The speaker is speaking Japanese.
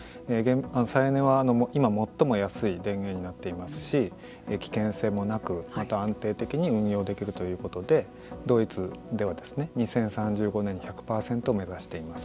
再エネは最も安い電源になっていますし危険性もなくまた安定的に運用できるということでドイツでは２０３５年１００％を目指しています。